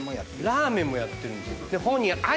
ラーメンもやってるんですよ。